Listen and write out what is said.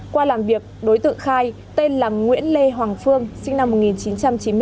qua làm việc đối tượng khai tên là nguyễn lê hoàng phương sinh năm một nghìn chín trăm chín mươi bốn